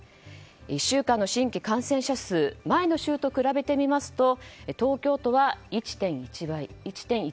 １週間の新規感染者数前の週と比べてみますと東京都は１．１１倍に。